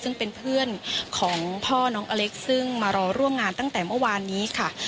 ซึ่งเป็นเพื่อนของพ่อน้องอเล็กซ์ซึ่งมารอร่วมงานตั้งแต่เมื่อวานนี้ค่ะ